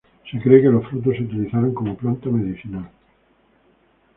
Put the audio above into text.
Se cree que los frutos se utilizaron como planta medicinal.